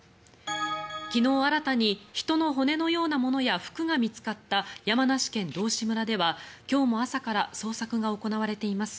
昨日、新たに人の骨のようなものや服が見つかった山梨県道志村では今日も朝から捜索が行われています。